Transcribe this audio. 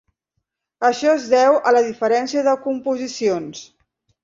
Això es deu a la diferència de composicions.